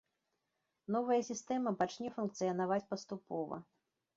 Новая сістэма пачне функцыянаваць паступова.